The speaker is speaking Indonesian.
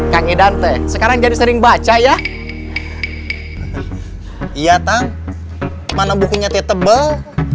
kang edante sekarang jadi sering baca ya iya tang mana bukunya tebel